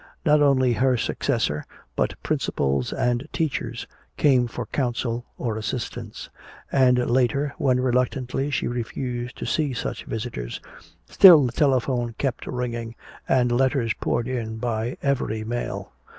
Not only her successor but principals and teachers came for counsel or assistance. And later, when reluctantly she refused to see such visitors, still the telephone kept ringing and letters poured in by every mail.